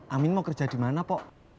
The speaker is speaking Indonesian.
amin mau kerja di mana kok